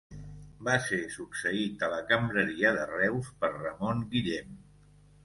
Va ser succeït a la cambreria de Reus per Ramon Guillem.